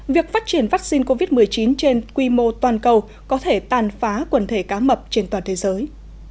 việc phát triển vaccine covid một mươi chín trên quy mô toàn cầu có thể tàn phá quần thể cá mập trên toàn thế giới